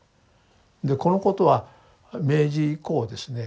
でこのことは明治以降ですね